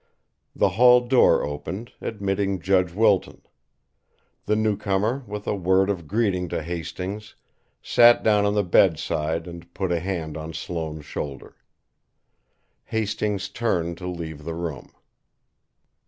The hall door opened, admitting Judge Wilton. The newcomer, with a word of greeting to Hastings, sat down on the bedside and put a hand on Sloane's shoulder. Hastings turned to leave the room.